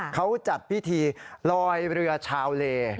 เขาจัดพิธีลอยเรือชาวเล